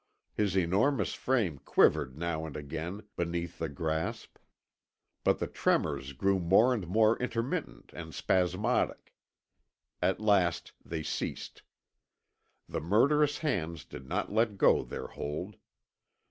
His enormous frame quivered now and again beneath the grasp; but the tremors grew more and more intermittent and spasmodic. At last they ceased. The murderous hands did not let go their hold.